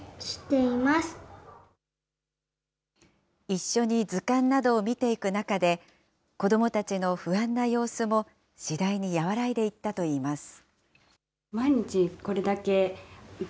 一緒に図鑑などを見ていく中で、子どもたちの不安な様子も次第に和らいでいったといいます。